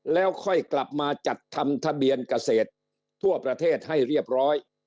แล้วค่อยกลับมาจัดทำทะเบียนเกษตรทั่วประเทศให้เรียบร้อย